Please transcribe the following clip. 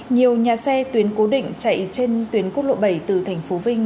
nhiều nhà xe tuyến cố định chạy trên tuyến quốc lộ bảy từ tp vinh